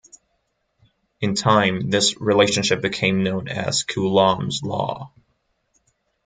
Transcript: In time, this relationship became known as Coulomb's law.